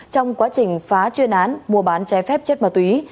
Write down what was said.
trong quá trình phá chuyên án mua bán trái phép chất ma túy